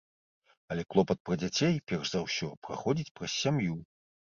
Але клопат пра дзяцей, перш за ўсё, праходзіць праз сям'ю.